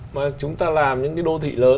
mà chúng ta làm những đô thị lớn